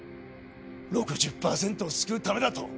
６０％を救うためだと？